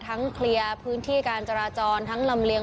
เคลียร์พื้นที่การจราจรทั้งลำเลียง